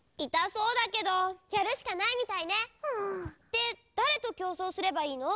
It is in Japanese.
でだれときょうそうすればいいの？